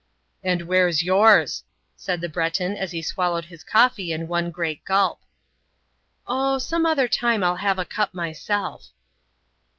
"And where's yours?" said the Breton as he swallowed his coffee in one great gulp. "Oh, some other time I'll have a cup myself."